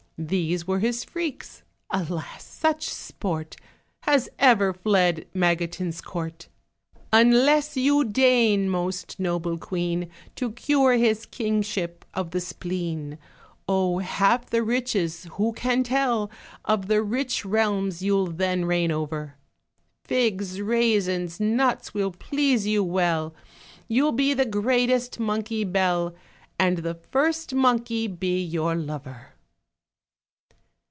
These were his freaks. Alas, such sport Has ever fled Magotin's court! Unless you deign, most noble queen, To cure his kingship of the spleen. Oh, half the riches who can tell, Of the rich realms you'll then reign over? Figs, raisins, nuts will please you well, You'll be the greatest monkey belle. And the first monkey be your lorer."